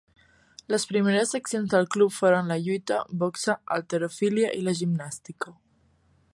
Les primeres seccions del club foren la lluita, boxa, halterofília i la gimnàstica.